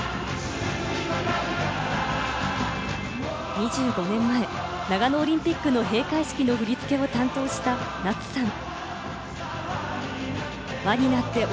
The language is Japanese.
２５年前、長野オリンピックの閉会式の振付を担当した夏さん。